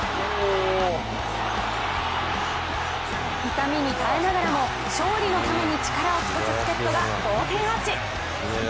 痛みに耐えながらも勝利のために力を尽くす助っとが同点アーチ。